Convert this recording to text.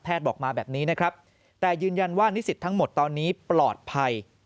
บอกมาแบบนี้นะครับแต่ยืนยันว่านิสิตทั้งหมดตอนนี้ปลอดภัย